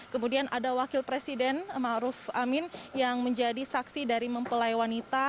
kemudian ada wakil presiden ⁇ maruf ⁇ amin yang menjadi saksi dari mempelai wanita